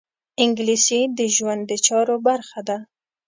انګلیسي د ژوند د چارو برخه ده